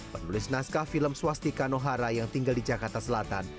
penulis naskah film swastika nohara yang tinggal di jakarta selatan